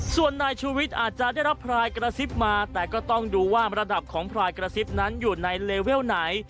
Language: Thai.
ส่วนนายชูวิทย์อาจจะได้รับพลายกระซิบมาแต่ก็ต้องดูว่าระดับของพลายกระซิบนั้นอยู่ในเลเวลไหน